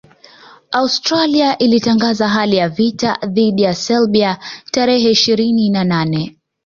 Austria ilitangaza hali ya vita dhidi ya Serbia tarehe ishirini na nane